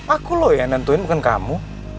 aku loh yang nentuin bukan kamu